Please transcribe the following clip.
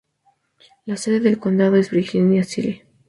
La sede del condado es Virginia City.